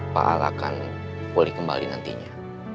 pak al akan pulih kembali nantinya